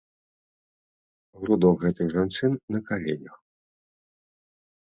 Грудок гэтых жанчын на каленях.